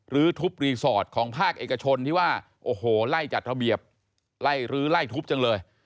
ทุบรีสอร์ทของภาคเอกชนที่ว่าโอ้โหไล่จัดระเบียบไล่รื้อไล่ทุบจังเลย